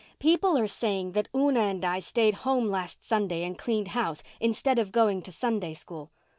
People are saying that Una and I stayed home last Sunday and cleaned house instead of going to Sunday School.